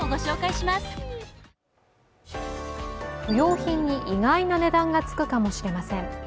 不用品に意外な値段がつくかもしれません。